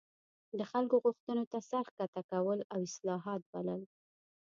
د خلکو غوښتنو ته سر ښکته کول او اصلاحات بلل.